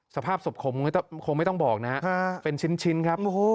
สภาพศพขมคงไม่ต้องบอกนะฮะเป็นชิ้นครับ